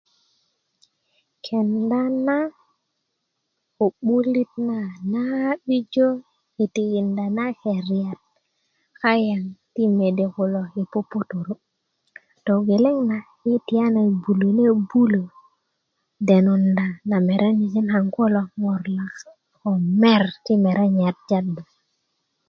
kenda na ko 'bulit na na'bijö i tikinda na keriyat kaŋ ti mede kilo yi puputuru' togeleŋ na yi' tiyana bulönbulö denunda na merenyejin kaŋ kulo ko mer ti merenyejin jadu